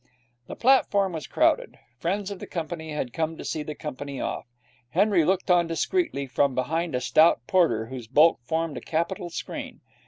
The platform was crowded. Friends of the company had come to see the company off. Henry looked on discreetly from behind a stout porter, whose bulk formed a capital screen.